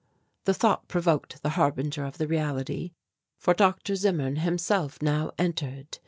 The thought proved the harbinger of the reality, for Dr. Zimmerman himself now entered.